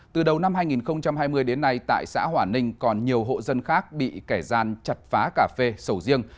từ đầu năm hai nghìn hai mươi đến nay tại xã hỏa ninh còn nhiều hộ dân khác bị kẻ gian chặt phá cà phê sầu riêng